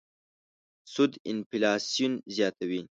سود انفلاسیون زیاتوي.